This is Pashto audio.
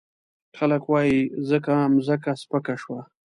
خلګ وايي ځکه مځکه سپکه شوه.